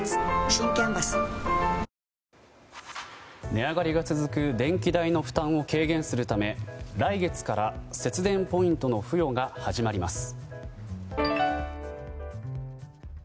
値上がりが続く電気代の負担を軽減するため来月から節電ポイントの付与が始まります。